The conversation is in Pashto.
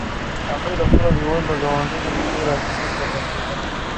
هغوی له خپلو بې وزلو ګاونډیو نه ډېره کرکه درلوده.